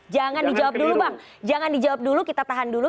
jangan dijawab dulu bang jangan dijawab dulu kita tahan dulu